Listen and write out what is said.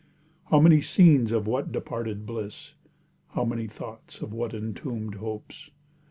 How many scenes of what departed bliss! How many thoughts of what entombed hopes!